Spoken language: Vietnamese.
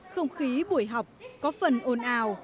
không khí buổi học có phần ồn ào